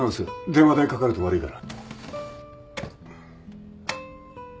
電話代かかると悪いから。